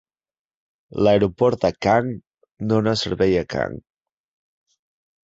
L"aeroport de Kang dóna servei a Kang.